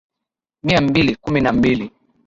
Mia mbili kumi na mbili